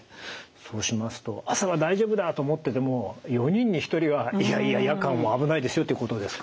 そうしますと朝は大丈夫だと思ってても４人に１人はいやいや夜間は危ないですよということですか？